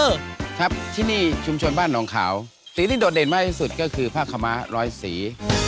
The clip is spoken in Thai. ครับที่นี่ชุมชนบ้านหนองขาวสีที่โดดเด่นมากที่สุดก็คือผ้าขม้าร้อยสี